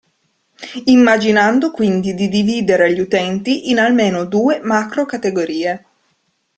Immaginando quindi di dividere gli utenti in almeno due macrocategorie.